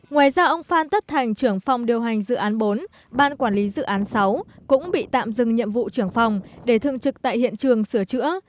ngoài ra ông phan tất thành trưởng phòng điều hành dự án bốn ban quản lý dự án sáu cũng bị tạm dừng nhiệm vụ trưởng phòng để thương trực tại hiện trường sửa chữa